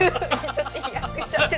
ちょっと飛躍しちゃって。